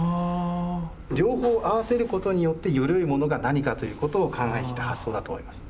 両方合わせることによってよりよいものが何かということを考えてきた発想だと思います。